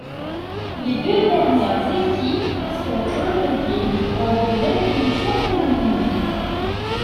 Les deux dernières équipes sont reléguées en deuxième division féminine.